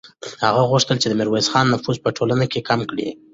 هغه غوښتل چې د میرویس خان نفوذ په ټولنه کې کم کړي.